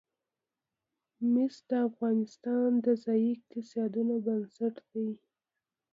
مس د افغانستان د ځایي اقتصادونو بنسټ دی.